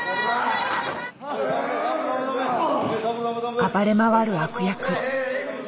暴れ回る悪役。